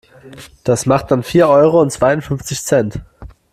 Das macht dann vier Euro und zweiundfünfzig Cent.